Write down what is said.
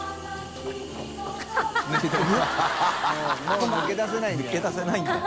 もう抜け出せないんだよ。